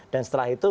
dan setelah itu